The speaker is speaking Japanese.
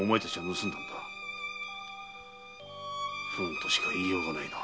不運としか言いようがないな。